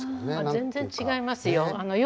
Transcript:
全然違いますよ。